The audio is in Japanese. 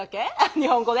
日本語で。